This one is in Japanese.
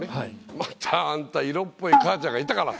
またあんた色っぽい母ちゃんがいたからさ！